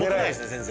全然。